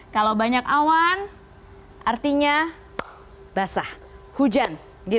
kalau banyak awan artinya basah hujan